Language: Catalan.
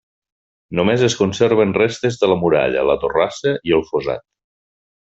Només es conserven restes de la muralla, la torrassa i el fossat.